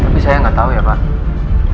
tapi saya nggak tahu ya pak